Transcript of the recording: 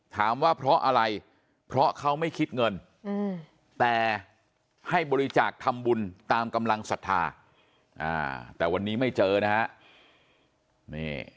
ว่าเพราะอะไรเพราะเขาไม่คิดเงินแต่ให้บริจาคทำบุญตามกำลังศรัทธาแต่วันนี้ไม่เจอนะฮะ